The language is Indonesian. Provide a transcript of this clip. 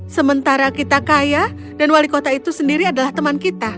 sementara kita kaya dan wali kota itu sendiri adalah teman kita